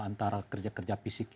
antara kerja kerja fisik